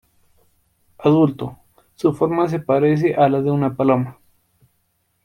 Adulto, su forma se parece a la de una paloma.